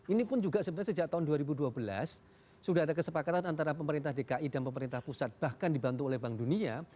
ini pun juga sebenarnya sejak tahun dua ribu dua belas sudah ada kesepakatan antara pemerintah dki dan pemerintah pusat bahkan dibantu oleh bank dunia